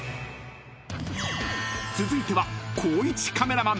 ［続いては］